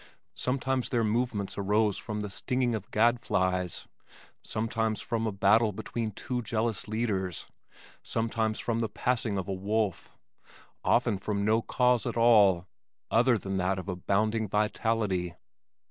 Sometimes their movements arose from the stinging of gadflies, sometimes from a battle between two jealous leaders, sometimes from the passing of a wolf often from no cause at all other than that of abounding vitality.